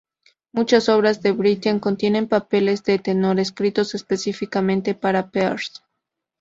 Muchas obras de Britten contienen papeles de tenor escritos específicamente para Pears.